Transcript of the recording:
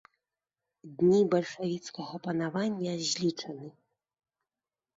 Дні бальшавіцкага панавання злічаны.